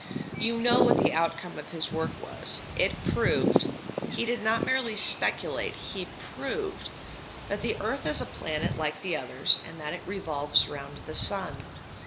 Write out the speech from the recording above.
You know what the outcome of his work was. It proved he did not merely speculate, he proved that the earth is a planet like the others, and that it revolves round the sun.